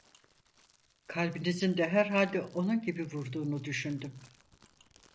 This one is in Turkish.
Kalbinizin de herhalde onun gibi vurduğunu düşündüm.